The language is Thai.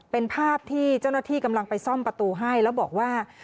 เป็นภาพที่เจ้าหน้าที่กำลังไปซ่อมประตูให้แล้วบอกว่า